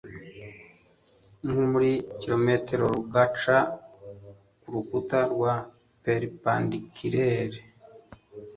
nko muri kilometero rugaca kurukuta rwa peripendikulari